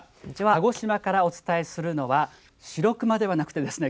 鹿児島からお伝えするのはシロクマではでなくてですね